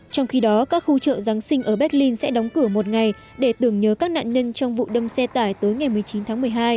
trong khi đó các khu chợ giáng sinh ở berlin sẽ đóng cửa một ngày để tưởng nhớ các nạn nhân trong vụ đâm xe tải tối ngày một mươi chín tháng một mươi hai